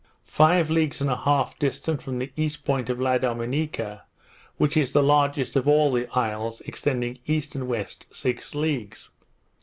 five leagues and a half distant from the east point of La Dominica, which is the largest of all the isles, extending east and west six leagues.